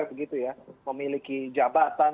begitu ya memiliki jabatan